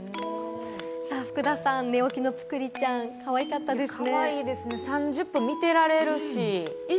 福田さん、寝起きのぷくりちゃん、かわいかったですね。